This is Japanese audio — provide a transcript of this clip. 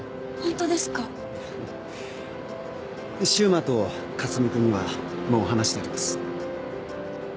柊磨と克巳君にはもう話してあります。